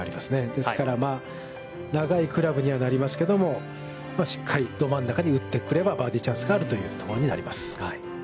ですから、長いクラブにはなりますけども、しっかりど真ん中に打ってくればバーディーチャンスがあるというところになります。